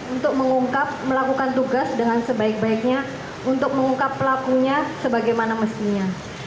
untuk mengungkap melakukan tugas dengan sebaik baiknya untuk mengungkap pelakunya sebagaimana mestinya